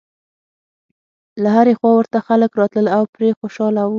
له هرې خوا ورته خلک راتلل او پرې خوشاله و.